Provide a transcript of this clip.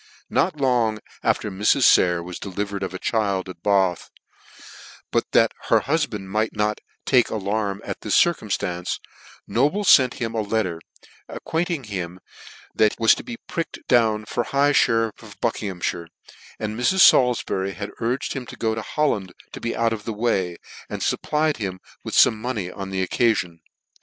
Not long after this Mrs. Sayer was delivered of a child at Bath : but that the hufband might not take alarm at this circumftance, Noble fent him a letter, acquainting him that he \vas to be pricked down for high {her iff of Buckinghammire ; and Mrs. Salifbury urged him to go to Holland to be out of the way, and fupplied him w'th fome money on the occafion.